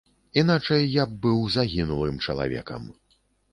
Іначай я б быў загінулым чалавекам.